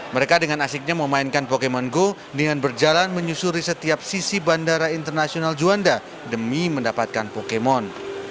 mereka dengan asiknya memainkan pokemon go dengan berjalan menyusuri setiap sisi bandara internasional juanda demi mendapatkan pokemon